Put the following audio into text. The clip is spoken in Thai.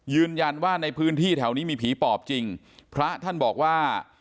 ยืนยันว่าในพื้นที่แถวนี้มีผีปอบจริงพระท่านบอกว่า